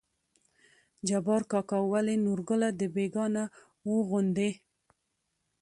جبار کاکا: ولې نورګله د بيګانه وو غوندې